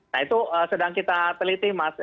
nah itu sedang kita teliti mas